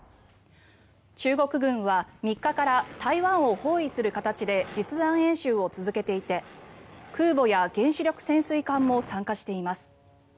中国軍は３日から台湾を包囲する形で実弾演習を続けていて空母や原子力潜水艦も参加しています。